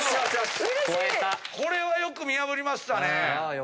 これはよく見破りましたね。